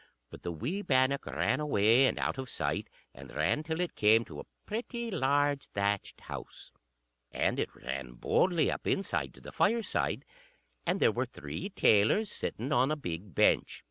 But the wee bannock ran away and out of sight, and ran till it came to a pretty large thatched house, and it ran boldly up inside to the fireside; and there were three tailors sitting on a big bench.